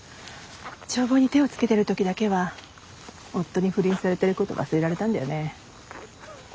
帳簿に手をつけてる時だけは夫に不倫されてること忘れられたんだよね。